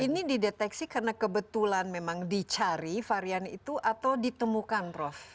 ini dideteksi karena kebetulan memang dicari varian itu atau ditemukan prof